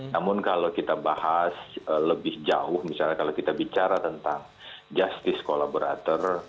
namun kalau kita bahas lebih jauh misalnya kalau kita bicara tentang justice collaborator